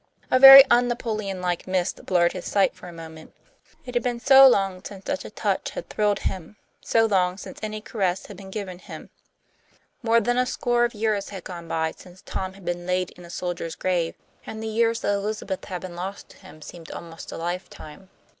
A very un Napoleonlike mist blurred his sight for a moment. It had been so long since such a touch had thrilled him, so long since any caress had been given him. More than a score of years had gone by since Tom had been laid in a soldier's grave, and the years that Elizabeth had been lost to him seemed almost a lifetime.